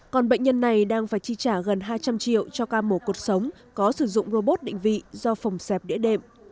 còn bệnh nhân này đang phải chi trả gần hai trăm linh triệu cho ca mổ cuộc sống có sử dụng robot định vị do phòng xẹp đĩa đệm